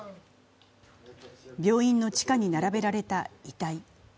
病院の地下に並べられた遺体。